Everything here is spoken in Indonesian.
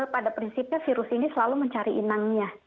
pada prinsipnya virus ini selalu mencari inangnya